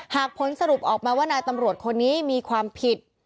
หากผลสรุปออกมาว่านายตำรวจคนนี้มีความผิด